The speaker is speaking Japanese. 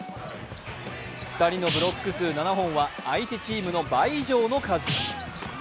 ２人のブロック数７本は相手チームの倍以上の数。